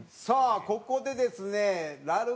さあここでですね